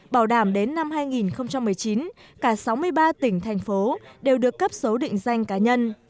bảo đảm đến năm hai nghìn một mươi chín cả sáu mươi ba tỉnh thành phố đều được cấp số định danh cá nhân